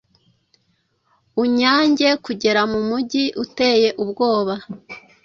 Unyange kugera mu mujyi uteye ubwoba